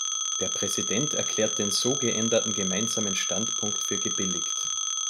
Der Präsident erklärt den so geänderten Gemeinsamen Standpunkt für gebilligt.